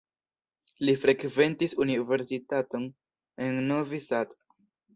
Li frekventis universitaton en Novi Sad.